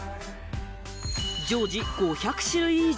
常時５００種類以上！